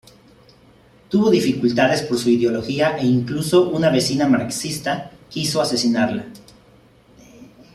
Tuvo dificultades por su ideología e incluso una vecina marxista quiso asesinarla.